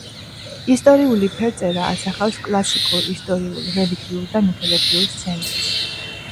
ისტორიული ფერწერა ასახავს კლასიკურ ისტორიულ, რელიგიურ და მითოლოგიურ სცენებს.